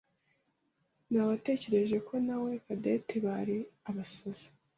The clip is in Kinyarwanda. Nawetekereje ko nawe Cadette bari abasazi.